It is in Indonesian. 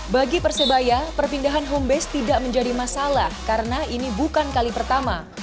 bagi persebaya perpindahan home base tidak menjadi masalah karena ini bukan kali pertama